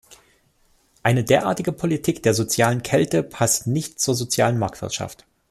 Eine derartige Politik der sozialen Kälte passt nicht zur sozialen Marktwirtschaft.